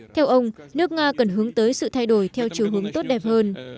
theo ông nước nga cần hướng tới sự thay đổi theo chiều hướng tốt đẹp hơn